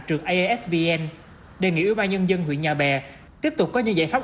trường iasvn đề nghị ủy ban nhân dân huyện nhà bè tiếp tục có những giải pháp